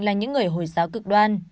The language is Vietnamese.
là những người hồi giáo cực đoan